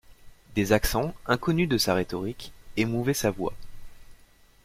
Des accents, inconnus de sa rhétorique, émouvaient sa voix.